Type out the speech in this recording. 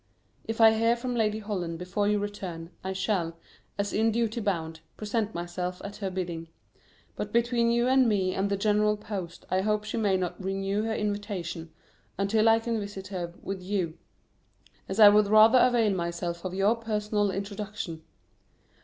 If I hear from Lady Holland before you return, I shall, as in duty bound, present myself at her bidding; but between you and me and the general post, I hope she may not renew her invitation until I can visit her with you, as I would much rather avail myself of your personal introduction.